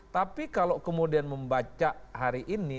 tapi kalau kemudian membaca hari ini